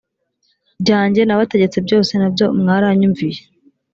byanjye nabategetse byose na byo mwaranyumviye